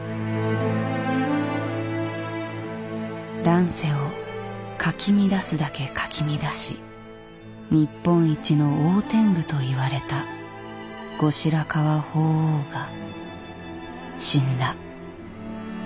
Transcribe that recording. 乱世をかき乱すだけかき乱し日本一の大天狗といわれた後白河法皇が死んだ。